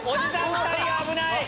２人が危ない！